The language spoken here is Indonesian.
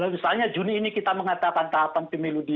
kalau begitu terlepas dari keraguan apapun